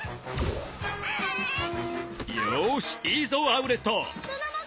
よしいいぞアウレット。